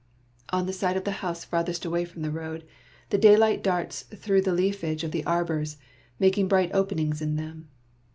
On the side of the house farthest away from the road, the daylight darts through the leafage of the arbors, making bright openings in them.